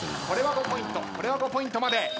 これは５ポイントまで。